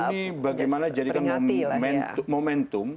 ini bagaimana jadikan momentum